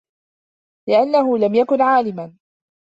لِأَنَّهُ لَمْ يَكُنْ عَالِمًا